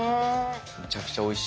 むちゃくちゃおいしい。